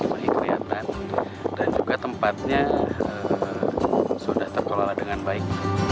semua kota cimahi kelihatan dan juga tempatnya sudah terkelola dengan baik